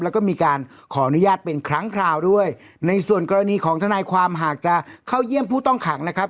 แล้วก็มีการขออนุญาตเป็นครั้งคราวด้วยในส่วนกรณีของทนายความหากจะเข้าเยี่ยมผู้ต้องขังนะครับ